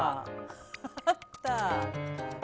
あった。